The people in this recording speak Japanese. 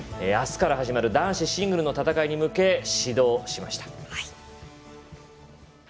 あすから始まる男子シングルの戦いに向け始動しました。